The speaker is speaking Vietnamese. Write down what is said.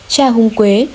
trà hung quế